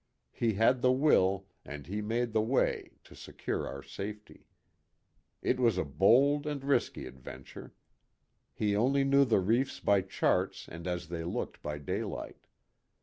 He had the will, and he made the way, to secure our safety. It was a bold and risky ad venture. He only knew the reefs by charts, and as they looked by daylight.